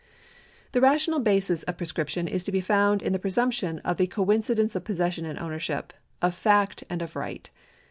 The rational basis of prescription is to be found in the presumption of the coincidence of possession and ownership, of fact and of right.